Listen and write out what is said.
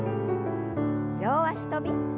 両脚跳び。